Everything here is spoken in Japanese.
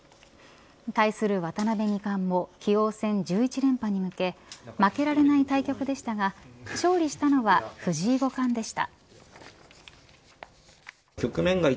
対する渡辺二冠も棋王戦１１連覇に向け負けられない対局でしたが勝利したのは藤井五冠でした。